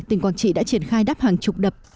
tỉnh quảng trị đã triển khai đắp hàng chục đập